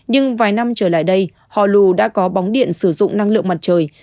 nhưng vài năm trở lại đây hò lù đã có bóng điện sử dụng năng lượng mặt trời